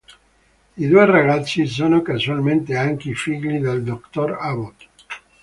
I due ragazzi sono casualmente anche i figli del Dottor Abbott.